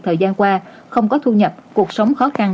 thời gian qua không có thu nhập cuộc sống khó khăn